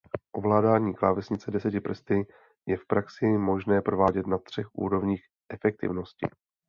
Ovládání klávesnice deseti prsty je v praxi možné provádět na třech úrovních efektivnosti.